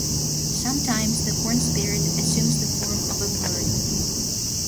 Sometimes the corn spirit assumes the form of a bird.